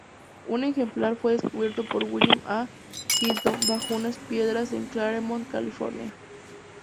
Un ejemplar fue descubierto por William A. Hilton bajo unas piedras en Claremont, California.